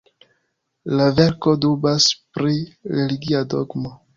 La verko dubas pri religia dogmo.